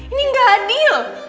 ini gak adil